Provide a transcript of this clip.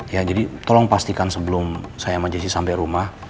ya jadi tolong pastikan sebelum saya sama jesse sampe rumah